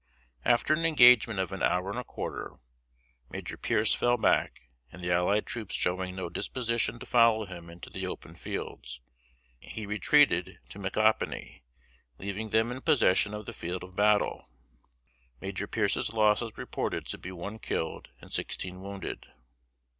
After an engagement of an hour and a quarter, Major Pearce fell back; and the allied forces showing no disposition to follow him into the open fields, he retreated to Micanopy, leaving them in possession of the field of battle. Major Pearce's loss was reported to be one killed and sixteen wounded.